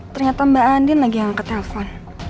ternyata mba andin lagi yang angkat nelfon